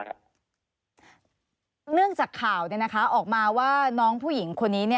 เนื่องจากข่าวออกมาว่าน้องผู้หญิงคนนี้